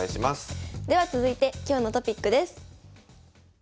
では続いて今日のトピックです。